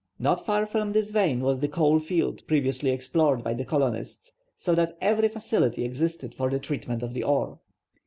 Not far from this vein was the coal field previously explored by the colonists, so that every facility existed for the treatment of the ore.